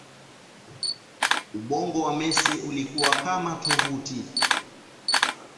ubongo wa Messi ulikuwa kama tovuti